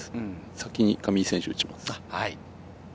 先に上井選手が打ちます。